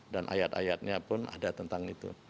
dan ayat ayatnya pun ada tentang itu